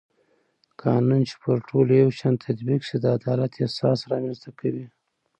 قانون چې پر ټولو یو شان تطبیق شي د عدالت احساس رامنځته کوي